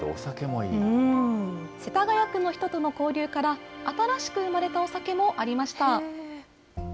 世田谷区の人との交流から、新しく生まれたお酒もありました。